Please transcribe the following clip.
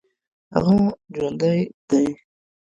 هغه جوندى دى.